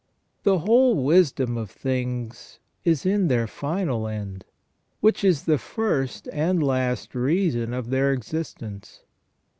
The whole wisdom of things is in their final end, which is the first and last reason of their existence.